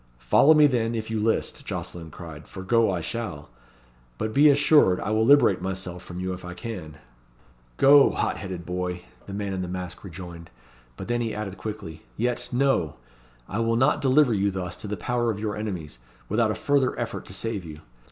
"Follow me, then, if you list," Jocelyn cried; "for go I shall. But be assured I will liberate myself from you if I can." "Go, hot headed boy," the man in the mask rejoined, but he then added quickly; "yet no! I will not deliver you thus to the power of your enemies, without a further effort to save you.